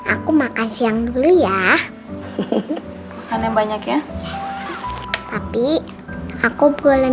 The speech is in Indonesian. aku desak ini baru mau hilang